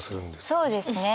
そうですね。